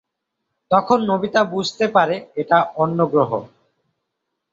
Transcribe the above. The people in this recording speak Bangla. তখন নোবিতা বুঝতে পারে এটা অন্যগ্রহ।